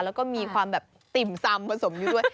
แล้วก็มีความแบบติ่มซำผสมอยู่ด้วย